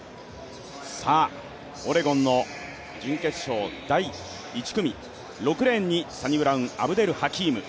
オレゴンの準決勝第１組、６レーンにサニブラウン・アブデルハキーム